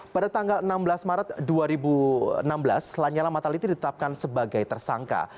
pada tanggal enam belas maret dua ribu enam belas lanyala mataliti ditetapkan sebagai tersangka